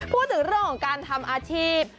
พูดถึงเรื่องของการทำอาชีพ